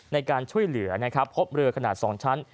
ในการช่วยเหลือนะครับพบเรือขนาด๒ชั้น